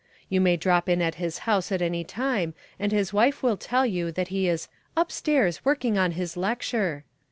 You may drop in at his house at any time and his wife will tell you that he is "upstairs working on his lecture."